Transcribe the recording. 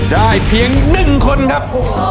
ได้เพียง๑คนครับ